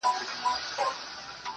• دا چي انجوني ټولي ژاړي سترگي سرې دي.